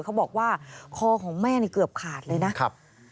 เขาบอกว่าคอของแม่นี่เกือบขาดเลยนะครับ